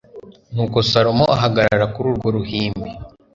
nuko salomo ahagarara kuri urwo ruhimbi